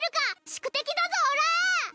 宿敵だぞおら！